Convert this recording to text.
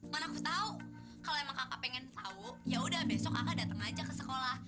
mana aku tau kalau emang kakak pengen tau yaudah besok kakak dateng aja ke sekolah